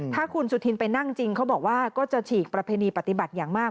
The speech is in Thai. ถ้าคุณสุธินไปนั่งจริงเขาบอกว่าก็จะฉีกประเพณีปฏิบัติอย่างมาก